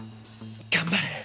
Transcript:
頑張れ！